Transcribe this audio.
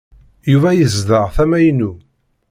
Yuba yezdeɣ tama-inu.